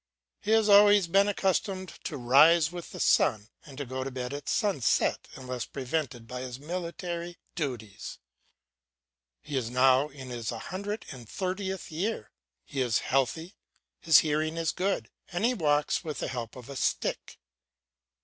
He has always been accustomed to rise with the sun and go to bed at sunset unless prevented by his military duties. He is now in his 130th year; he is healthy, his hearing is good, and he walks with the help of a stick.